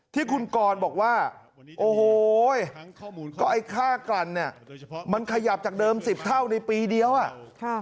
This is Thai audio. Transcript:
ที่คุณกรบอกว่าโอ้โหก็ไอ้ค่ากลั่นเนี่ยมันขยับจากเดิมสิบเท่าในปีเดียวอ่ะค่ะ